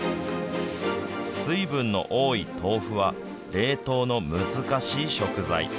水分の多い豆腐は、冷凍の難しい食材。